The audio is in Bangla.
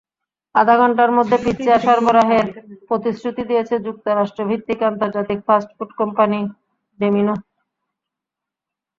আধা ঘণ্টার মধ্যে পিৎজা সরবরাহের প্রতিশ্রুতি দিয়েছে যুক্তরাষ্ট্রভিত্তিক আন্তর্জাতিক ফাস্ট ফুড কোম্পানি ডোমিনো।